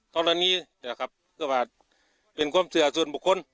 ตอนนี้เป็นความเชื่อโซนบุคคล